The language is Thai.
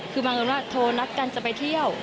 คือบังเอิญว่าโทรนัดกันจะไปเที่ยว